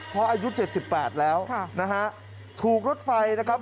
เพราะอายุ๗๘แล้วนะฮะถูกรถไฟนะครับ